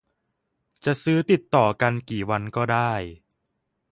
จะซื้อติดต่อกันกี่วันก็ได้